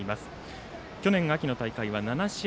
去年秋の大会は７試合。